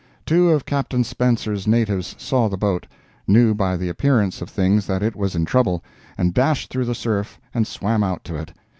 Two of Captain Spencer's natives saw the boat, knew by the appearance of things that it was in trouble, and dashed through the surf and swam out to it.